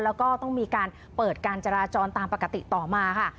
แล้วก็ต้องมีการเปิดการจราจรตามปกติต่อมาค่ะ